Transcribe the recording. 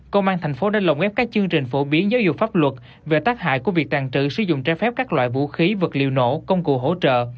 công an thành phố đã lộng ép các chương trình phổ biến giới dục pháp luật về tác hại của việc tàn trự sử dụng trái phép các loại vũ khí vật liều nổ công cụ hỗ trợ